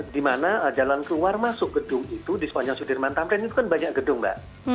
di mana jalan keluar masuk gedung itu di sepanjang sudirman tamrin itu kan banyak gedung mbak